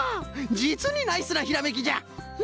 じつにナイスなひらめきじゃ！